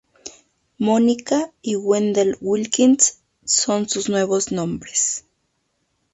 Mónica y Wendell Wilkins son sus nuevos nombres.